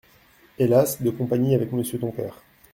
Hélas ! de compagnie avec monsieur ton père…